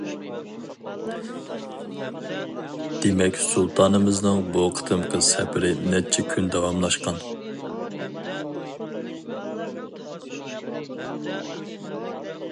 دېمەك، سۇلتانىمىزنىڭ بۇ قېتىمقى سەپىرى نەچچە كۈن داۋاملاشقان.